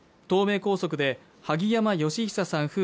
東名高速で萩山嘉久さん